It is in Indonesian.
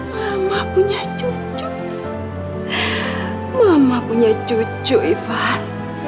mama punya cucu mama punya cucu ivan